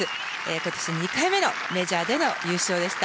今年２回目のメジャーでの優勝でした。